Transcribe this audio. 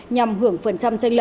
nhằm hưởng phần trăm tranh lệ